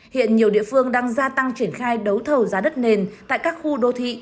hiện nhiều địa phương đang gia tăng triển khai đấu thầu giá đất nền tại các khu đô thị